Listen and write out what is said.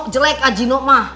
jelek ah gino mah